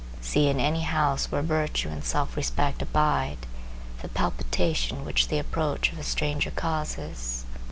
See, in any house where virtue and self respect abide, the palpitation which the approach of a stranger causes.